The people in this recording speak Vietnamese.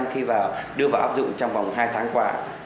khi đưa vào áp dụng trong vòng hai tháng qua